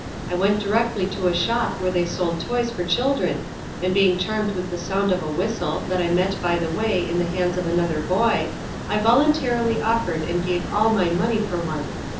I went directly to a shop where they sold toys for children, and being charmed with the sound of a whistle, that I met by the way in the hands of another boy, I voluntarily offered and gave all my money for one.